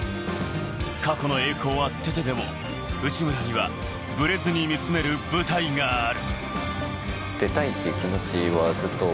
過去の栄光は捨ててでも内村にはぶれずに見つめる舞台がある。